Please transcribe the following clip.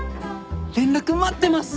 連絡待ってます！